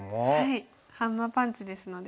ハンマーパンチですので。